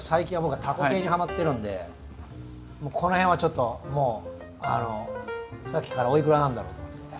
僕はもうとにかくこの辺はちょっともうさっきからおいくらなんだろうと思ってて。